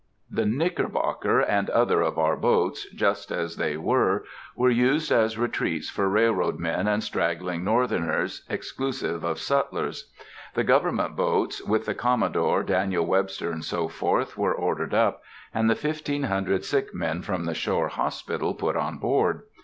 The Knickerbocker, and other of our boats, just as they were, were used as retreats for railroad men and straggling Northerners, exclusive of sutlers. The government boats, with the Commodore, Daniel Webster, &c., were ordered up, and the fifteen hundred sick men from the shore hospital put on board.